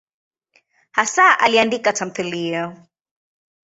Hasa aliandika tamthiliya.